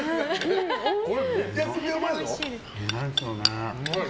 これめちゃくちゃうまいよ。